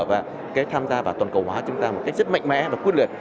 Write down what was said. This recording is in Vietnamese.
và cái tham gia và toàn cầu hóa chúng ta một cách rất mạnh mẽ và quyết liệt